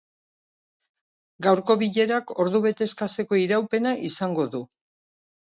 Gaurko bilerak ordubete eskaseko iraupena izango du.